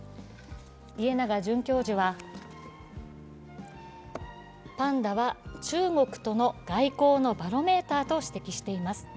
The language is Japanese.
家永准教授はパンダは中国との外交のバロメーターと指摘しています。